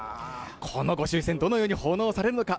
この御朱印船、どのように奉納されるのか。